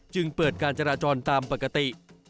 จึงเปิดการจราจรตามปกติ